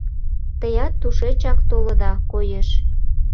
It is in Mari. Теат тушечак толыда, коеш.